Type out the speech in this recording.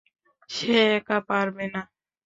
সে একা পারবে না।